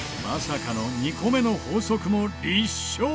まさかの２個目の法則も立証！